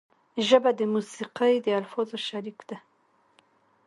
ژبه د موسیقۍ د الفاظو شریک ده